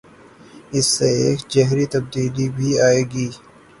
اس سے ایک جوہری تبدیلی بھی آئے گی۔